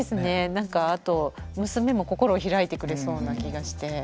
なんかあと娘も心を開いてくれそうな気がして。